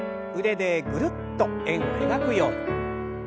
腕でぐるっと円を描くように。